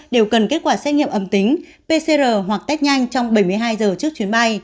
đều cần kết quả xét nghiệm âm tính pcr hoặc test nhanh trong bảy mươi hai giờ trước chuyến bay